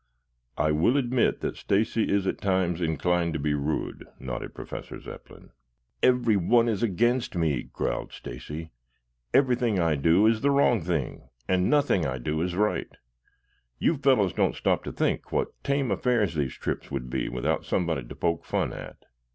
"I will admit that Stacy is at times inclined to be rude," nodded Professor Zepplin. "Everyone is against me," growled Stacy. "Everything I do is the wrong thing and nothing that I do is right. You fellows don't stop to think what tame affairs these trips would be without somebody to poke fun at.